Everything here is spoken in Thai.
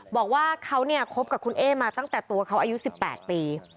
บอกว่าเขาเนี่ยคบกับคุณเอ๊มาตั้งแต่ตัวเขาอายุ๑๘ปี